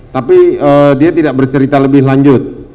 tapi dia tidak bercerita lebih lanjut